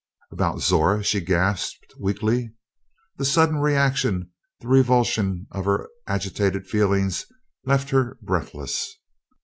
"About Zora!" she gasped weakly. The sudden reaction, the revulsion of her agitated feelings, left her breathless.